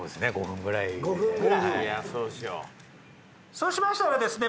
そうしましたらですね